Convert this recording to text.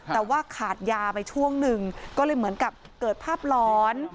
แต่ว่าขาดยาไปช่วงหนึ่งก็เลยเหมือนกับเกิดภาพร้อน